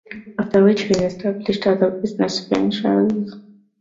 After which he established other business ventures.